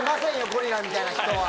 ゴリラみたいな人は。